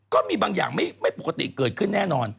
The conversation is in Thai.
ก็มีบางอย่างไม่ปกติเกิดขึ้นแน่นอน